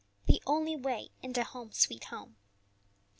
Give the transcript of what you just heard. THE ONLY WAY INTO "HOME, SWEET HOME."